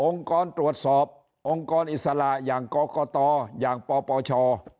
กรตรวจสอบองค์กรอิสระอย่างกรกตอย่างปปช